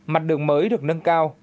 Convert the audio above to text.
mặt đường mới được nâng cao